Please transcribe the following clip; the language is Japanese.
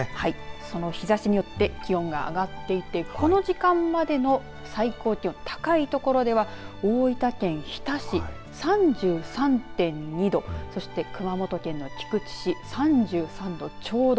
その日ざしによって気温が上がっていてこの時間までの最高気温、高い所では大分県日田市３３．２度そして、熊本県の菊池市３３度ちょうど。